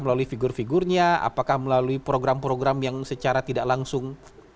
melalui figur figurnya apakah melalui program program yang secara tidak langsung